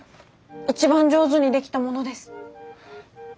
一番上手に出来たものです。